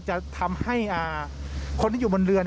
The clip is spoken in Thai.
จะทำให้คนที่อยู่บนเรือน